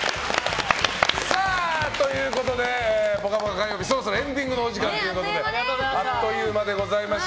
火曜日そろそろエンディングのお時間ということであっという間でございました。